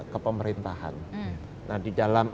kepemerintahan nah di dalam